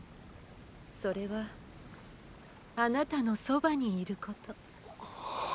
それはあなたの傍にいること。